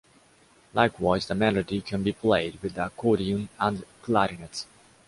Likewise, the melody can be played with the accordion and a clarinet.